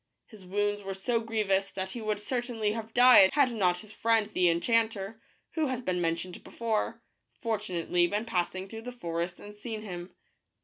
His wounds were so grievous that he would certainly have died had not his friend the enchanter, who has been mentioned before, fortunately been passing through the forest and seen him.